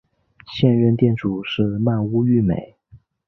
现任店主是鳗屋育美。